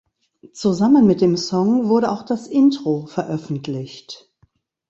Zusammen mit dem Song wurde auch das Intro veröffentlicht.